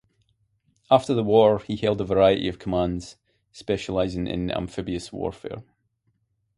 After the war, he held a variety of commands, specializing in amphibious warfare.